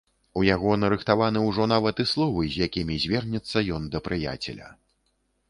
У яго нарыхтаваны ўжо нават і словы, з якімі звернецца ён да прыяцеля.